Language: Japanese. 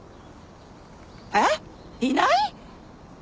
えっいない！？